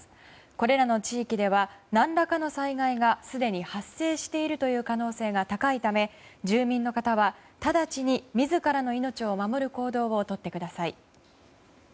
これらの地域では何らかの災害がすでに発生しているという可能性が高いため住民の方は直ちに自らの命を守る行動をとってください。